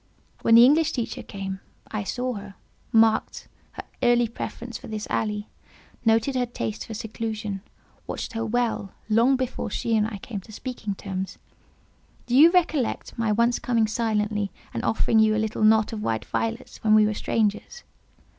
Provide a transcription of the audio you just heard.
When the English teacher came, I saw her, marked her early preference for this alley, noticed her taste for seclusion, watched her well, long before she and I came to speaking terms; do you recollect my once coming silently and offering you a little knot of white violets when we were strangers?"